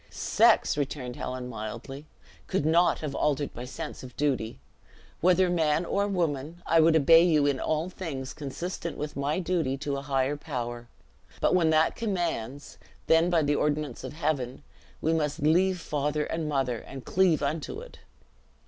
"Sex," returned Helen, mildly, "could not have altered my sense of duty. Whether man or woman, I would obey you in all things consistent with my duty to a higher power; but when that commands, then by the ordinance of Heaven, we must 'leave father and mother, and cleave unto it.'"